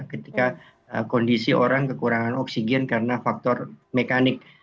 ketika kondisi orang kekurangan oksigen karena faktor mekanik